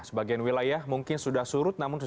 sebagian wilayah mungkin sudah surut